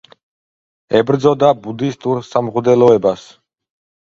ებრძოდა ბუდისტურ სამღვდელოებას.